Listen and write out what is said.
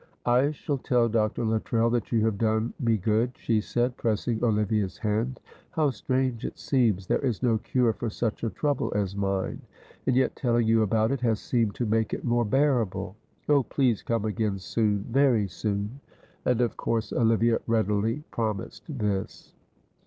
"I shall tell Dr. Luttrell that you have done me good," she said, pressing Olivia's hand; "how strange it seems there is no cure for such a trouble as mine, and yet telling you about it has seemed to make it more bearable. Oh, please come again soon very soon," and of course Olivia readily promised this.